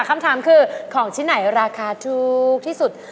คำถามคือของชิ้นไหนราคาถูกที่สุด